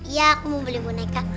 ya aku mau beli boneka